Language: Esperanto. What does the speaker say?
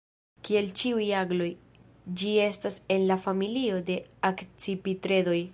Kiel ĉiuj agloj, ĝi estas en la familio de Akcipitredoj.